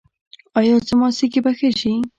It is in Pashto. ایا زما سږي به ښه شي؟